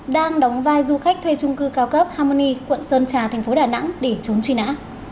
đang đóng vai du khách thuê chung cư cao cấp harmony quận sơn trà tp đà nẵng để chống truy nã